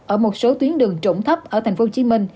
ở một số tuyến đường trụng thấp ở tp hcm